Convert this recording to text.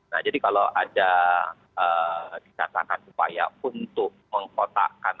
nah jadi kalau ada dikatakan upaya untuk mengkotakkan